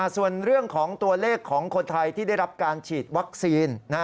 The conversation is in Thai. ส่วนเรื่องของตัวเลขของคนไทยที่ได้รับการฉีดวัคซีน